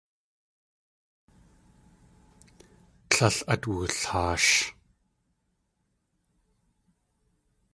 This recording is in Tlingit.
Tlél át wulhaash.